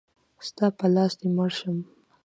ستا په لاس دی مړ شم.